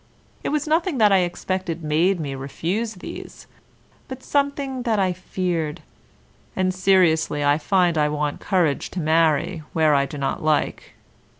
It was nothing that I expected made me refuse these, but something that I feared; and, seriously, I find I want courage to marry where I do not like.